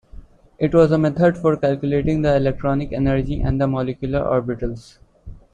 It was a method for calculating the electronic energy and the molecular orbitals.